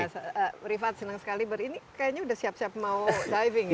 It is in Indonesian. iya karena mbak rasa rifat senang sekali berini kayaknya udah siap siap mau diving ya